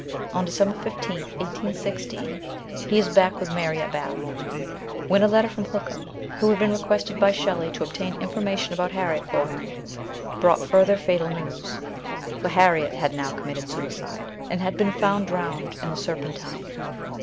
On December 15, 1816, he is back with Mary at Bath, when a letter from Hookham, who had been requested by Shelley to obtain information about Harriet for him, brought further fatal news for Harriet had now committed suicide, and had been found drowned in the Serpentine.